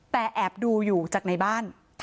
แต่แอบดูอยู่จากในบ้าน